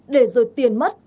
để rồi tiền mất